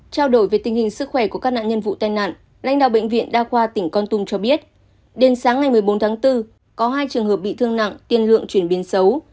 trao đổi về tình hình sức khỏe của các nạn nhân vụ tai nạn lãnh đạo bệnh viện đa khoa tỉnh con tum cho biết đến sáng ngày một mươi bốn tháng bốn có hai trường hợp bị thương nặng tiền lượng chuyển biến xấu